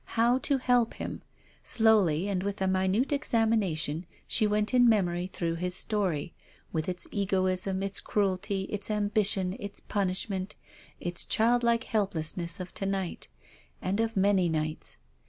How to help him. Slowly, and with a minute exam ination, she went in memory through his story, with its egoism, its cruelty, its ambition, its punish ment, its child like helplessness of to night, and of many nights.